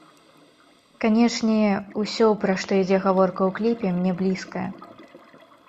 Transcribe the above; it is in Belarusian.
Канечне, усё, пра што ідзе гаворка ў кліпе, мне блізкае.